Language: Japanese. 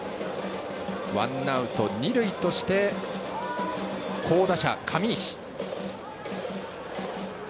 ワンアウト二塁として好打者、上石。